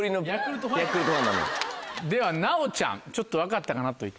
では奈央ちゃんちょっと分かったかなと言ってました。